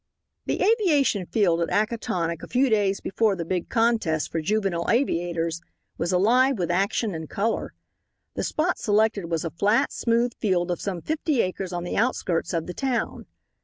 The aviation field at Acatonick a few days before the big contests for juvenile aviators was alive with action and color. The spot selected was a flat, smooth field of some fifty acres on the outskirts of the town.